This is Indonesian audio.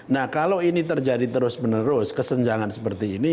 nah kalau ini terjadi terus menerus kesenjangan seperti ini